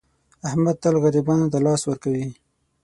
احمد تل غریبانو ته لاس ور کوي.